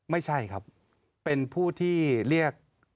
ไม่ใช่ครับเป็นผู้ที่เรียก